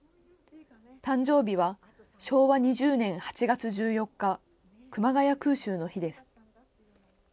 誕生日は昭和２０年８月１４日熊谷空襲の日です。